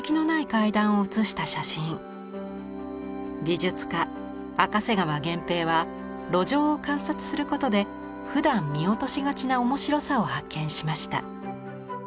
美術家赤瀬川原平は路上を観察することでふだん見落としがちな面白さを発見しました。